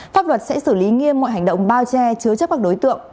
pháp luật sẽ xử lý nghiêm mọi hành động bao che chứa chấp các đối tượng